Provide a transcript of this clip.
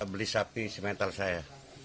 beli sapi simental saya